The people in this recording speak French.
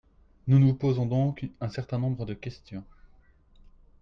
Nous nous posons donc un certain nombre de questions.